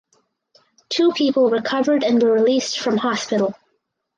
Two people recovered and were released from hospital.